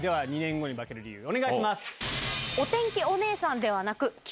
お願いします！